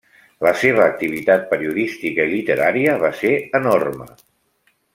La seva activitat periodística i literària va ser enorme.